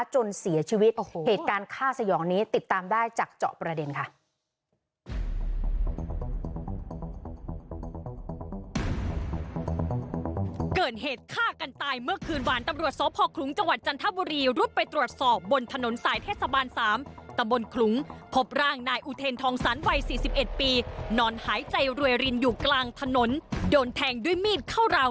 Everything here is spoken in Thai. จนเสียชีวิตเหตุการณ์ฆ่าสยองนี้ติดตามได้จากเจาะประเด็นค่ะ